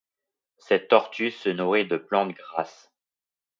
Cette tortue se nourrit de plantes grasses.